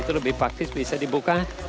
itu lebih vaksin bisa dibuka